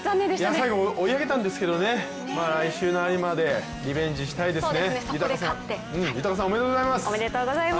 最後、追い上げたんですけどね、来週の有馬でリベンジしたいですね。